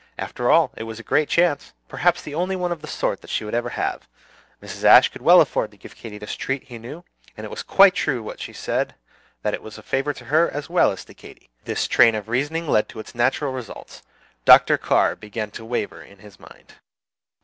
After all, it was a great chance, perhaps the only one of the sort that she would ever have. Mrs. Ashe could well afford to give Katy this treat, he knew; and it was quite true what she said, that it was a favor to her as well as to Katy. This train of reasoning led to its natural results. Dr. Carr began to waver in his mind.